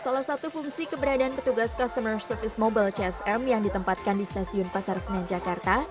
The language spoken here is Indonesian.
salah satu fungsi keberadaan petugas customer service mobile csm yang ditempatkan di stasiun pasar senen jakarta